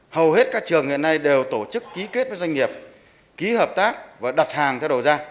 hầu hết các trường hiện nay đều tổ chức ký kết với doanh nghiệp ký hợp tác và đặt hàng theo đồ ra